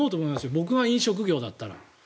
僕が飲食業だったら。